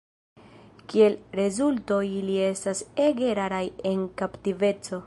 Kiel rezulto ili estas ege raraj en kaptiveco.